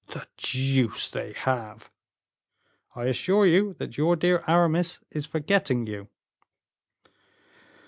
"The deuce they have!" "I assure you that your dear Aramis is forgetting you."